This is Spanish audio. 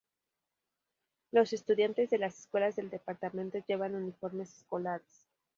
Los estudiantes de las escuelas del departamento llevan uniformes escolares.